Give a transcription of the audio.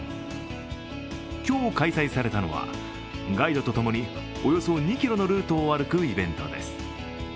今日、開催されたのはガイドと共におよそ２ｋｍのルートを歩くイベントです。